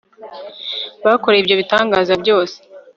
bakoreye ibyo bitangaza byose